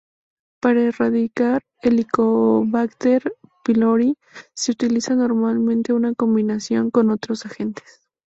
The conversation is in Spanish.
Para erradicar "Helicobacter pylori" se utiliza normalmente en combinación con otros agentes.